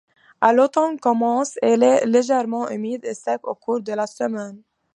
À l'automne commence est légèrement humide et sec au cours de la semaine.